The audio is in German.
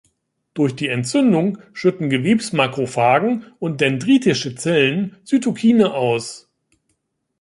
Durch die Entzündung schütten Gewebs-Makrophagen und dendritische Zellen Zytokine aus.